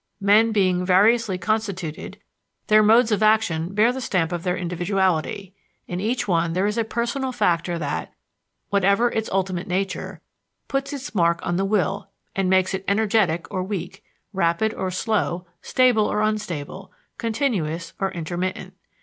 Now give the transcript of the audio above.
Men being variously constituted, their modes of action bear the stamp of their individuality; in each one there is a personal factor that, whatever its ultimate nature, puts its mark on the will and makes it energetic or weak, rapid or slow, stable or unstable, continuous or intermittent.